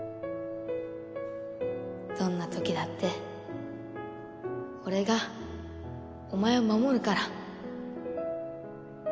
どんなときだって俺がお前を守るから。